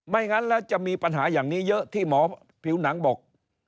งั้นแล้วจะมีปัญหาอย่างนี้เยอะที่หมอผิวหนังบอก